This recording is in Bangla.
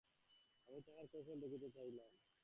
আমি তাঁহার কৌশল দেখিতে চাহিলাম।